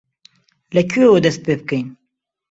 لەکوێوە دەست پێ بکەین؟